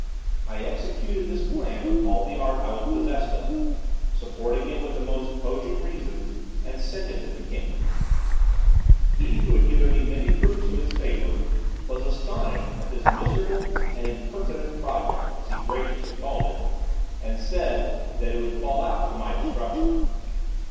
I executed this plan with all the art I was possessed of, supporting it with the most cogent reasons, and sent it to the king. He, who had given me many proofs of his favor, was astonished at this miserable and impertinent project, as he graciously called it, and said, that it would fall out to my destruction.